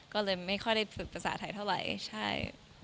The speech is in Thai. ก็เลยไม่ค่อยได้ฝึกภาษาไทยเท่าไหร่ใช่